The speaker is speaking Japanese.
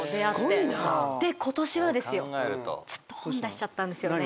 ことしはですよちょっと本出しちゃったんですよね。